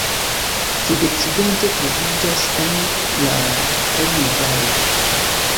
Sudokcidente troviĝas la Emme-Valo.